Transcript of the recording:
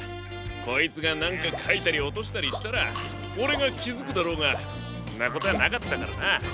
こいつがなんかかいたりおとしたりしたらオレがきづくだろうがんなことなかったからな。